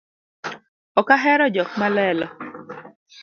Ok ahero jok malelo